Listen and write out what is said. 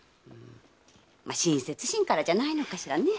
ま親切心からじゃないのかしらね？